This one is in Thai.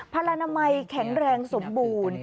พลนามัยแข็งแรงสมบูรณ์